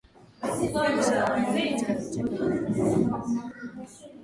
Kuwalisha wanyama katika vichaka maeneo yaliyovamiwa na kupe